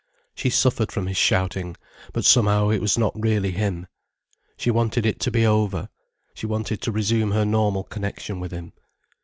She suffered from his shouting, but somehow it was not really him. She wanted it to be over, she wanted to resume her normal connection with him.